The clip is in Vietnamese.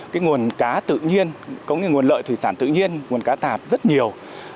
cái nguồn cá tự nhiên có cái nguồn lợi thủy sản tự nhiên nguồn cá tạp rất nhiều